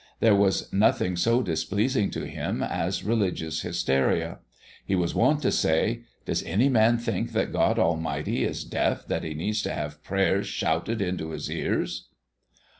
There was nothing so displeasing to him as religious hysteria. He was wont to say, "Does any man think that God Almighty is deaf that He needs to have prayers shouted into His ears?"